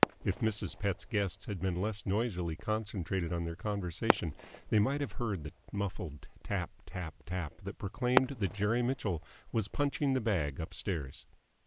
If Mrs. Pett's guests had been less noisily concentrated on their conversation, they might have heard the muffled tap tap tap that proclaimed that Jerry Mitchell was punching the bag upstairs.